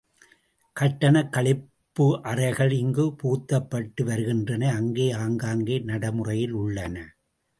கட்டணக் கழிப்பு அறைகள் இங்குப் புகுத்தப்பட்டு வருகின்றன அங்கே ஆங்காங்கே நடைமுறையில் உள்ளன.